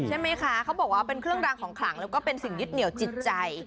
ใช่ไหมคะเขาบอกว่าเป็นเครื่องรางของขลังแล้วก็เป็นสิ่งยึดเหนียวจิตใจ